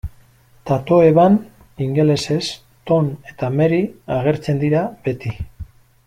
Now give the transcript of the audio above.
Tatoeban, ingelesez, Tom eta Mary agertzen dira beti.